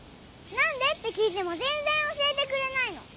「何で？」って聞いても全然教えてくれないの。